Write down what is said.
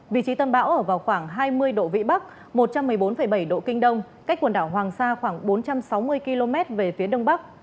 vị trí tâm bão ở vào khoảng hai mươi độ vĩ bắc một trăm một mươi bốn bảy độ kinh đông cách quần đảo hoàng sa khoảng bốn trăm sáu mươi km về phía đông bắc